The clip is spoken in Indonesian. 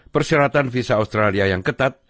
persyaratan visa australia yang ketat